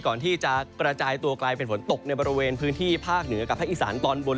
ก่อนที่จะกระจายตัวกลายเป็นฝนตกในบริเวณพื้นที่ภาคเหนือกับภาคอีสานตอนบน